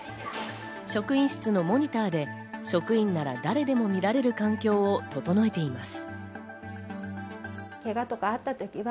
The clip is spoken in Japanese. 職員室のモニターで職員なら誰でも見られる環境を整えています。